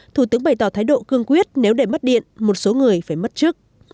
thủ tướng bày tỏ thái độ cương quyết nếu để mất điện một số người phải mất trước